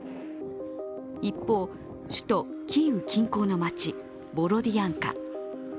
一方、首都キーウ近郊の街ボロディアンカ。